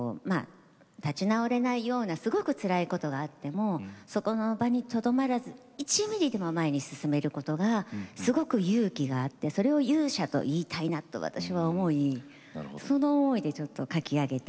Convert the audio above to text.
立ち直れないようなすごくつらいことがあってもそこの場にとどまらず１ミリでも前に進めることがすごく勇気があってそれを「勇者」と言いたいなと私は思いその思いでちょっと書き上げた詞です。